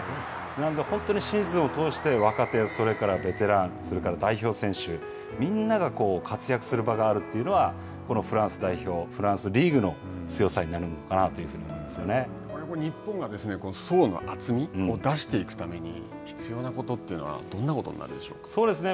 なので本当にシーズンを通して若手、それからベテラン、それから代表選手、みんなが活躍する場があるというのは、このフランス代表、フランスリーグの強さになる日本が層の厚みを出していくために必要なことというのは、どんなことになるんでしょうか。